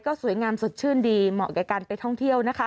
สวยงามสดชื่นดีเหมาะกับการไปท่องเที่ยวนะคะ